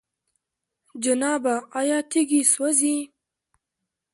جنابه! آيا تيږي سوزي؟